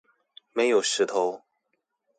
沒有石頭